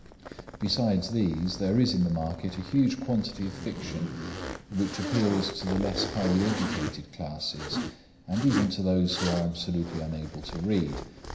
Besides these, there is in the market a huge quantity of fiction which appeals to the less highly educated classes, and even to those who are absolutely unable to read.